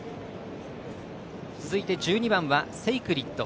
続いて、１２番はセイクリッド。